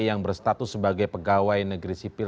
yang berstatus sebagai pegawai negeri sipil